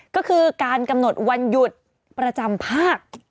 ก็คือการกำหนดวันหยุดประจำภาค